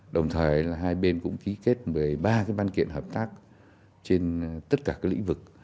đồng thời hai bên cũng ký kết một mươi ba ban kiện hợp tác trên tất cả lĩnh vực